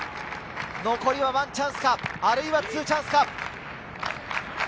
残りはワンチャンスか、あるいはツーチャンスか。